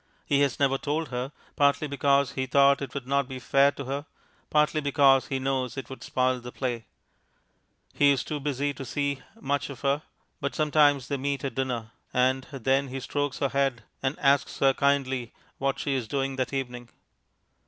He has never told her; partly because he thought it would not be fair to her, partly because he knows it would spoil the play. He is too busy to see much of her, but sometimes they meet at dinner, and then he strokes her head and asks her kindly what she is doing that evening.